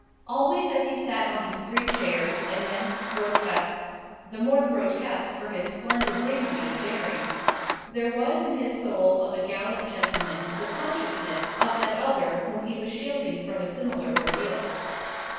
Always as he sat on his three chairs, immense, grotesque the more grotesque for his splendid dignity of bearing there was in his soul of a gallant gentleman the consciousness of that other, whom he was shielding from a similar ordeal.